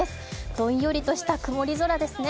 どんよりとした曇り空ですね。